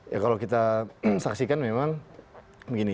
ya kalau kita saksikan memang begini